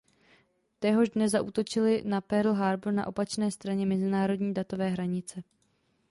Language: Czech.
Téhož dne zaútočili na Pearl Harbor na opačné straně mezinárodní datové hranice.